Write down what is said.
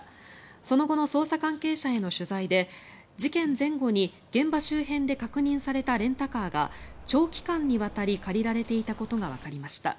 その後の捜査関係者への取材で事件前後に現場周辺で確認されたレンタカーが長期間にわたり借りられていたことがわかりました。